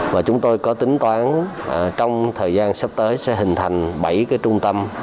và chúng tôi có tính toán trong thời gian sắp tới sẽ hình thành bảy trung tâm